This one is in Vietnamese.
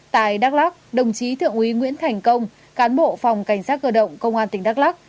tại đắk lắc đồng chí thượng úy nguyễn thành công cán bộ phòng cảnh sát cơ động công an tỉnh đắk lắc